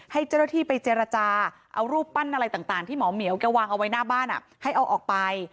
ให้เจ้าหน้าที่ไปเจรจาเอารูปปั้นอะไรต่างที่หมอเหมียวแกวางเอาไว้หน้าบ้านให้เอาออกไป